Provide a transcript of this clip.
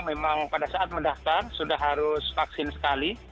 memang pada saat mendaftar sudah harus vaksin sekali